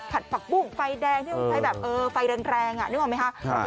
ผัดผักปุ้งไฟแดงไฟแบบเออไฟแรงนึกออกไหมคะ